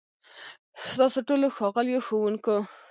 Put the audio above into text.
ستاسو ټولو، ښاغليو ښوونکو،